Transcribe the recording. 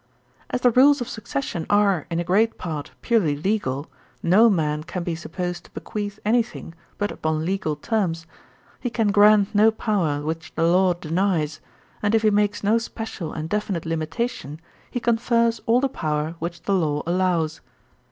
'As the rules of succession are, in a great part, purely legal, no man can be supposed to bequeath any thing, but upon legal terms; he can grant no power which the law denies; and if he makes no special and definite limitation, he confers all the power which the law allows.